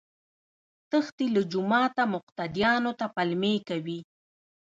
تښتي له جوماته مقتديانو ته پلمې کوي